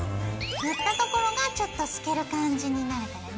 塗ったところがちょっと透ける感じになるからね。